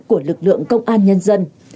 của lực lượng công an nhân dân